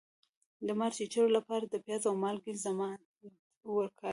د مار د چیچلو لپاره د پیاز او مالګې ضماد وکاروئ